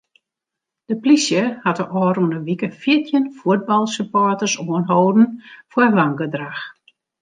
De plysje hat de ôfrûne wike fjirtjin fuotbalsupporters oanholden foar wangedrach.